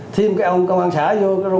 thêm cái ông công an xã vô